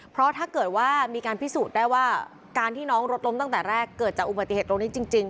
เพราะถ้าเกิดว่ามีการพิสูจน์ได้ว่าการที่น้องรถล้มตั้งแต่แรกเกิดจากอุบัติเหตุตรงนี้จริง